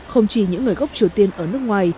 không chỉ những người gốc triều tiên ở nước ngoài